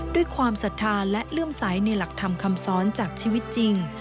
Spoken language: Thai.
ความศรัทธาและเลื่อมใสในหลักธรรมคำสอนจากชีวิตจริง